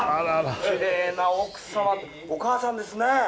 「キレイな奥様お母さんですね」